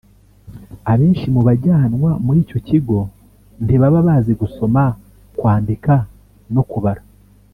Abenshi mu bajyanwa muri icyo kigo ntibaba bazi gusoma kwandika no kubara